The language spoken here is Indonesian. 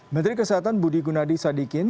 menteri kesehatan budi gunadi sadikin